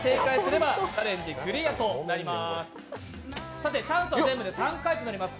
さて、チャンスは全部で３回となります。